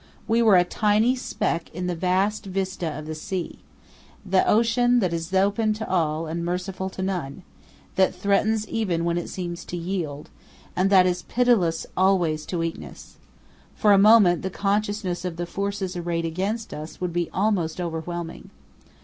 We were a tiny speck in the vast vista of the sea—the ocean that is open to all and merciful to none, that threatens even when it seems to yield, and that is pitiless always to weakness. For a moment the consciousness of the forces arrayed against us would be almost overwhelming.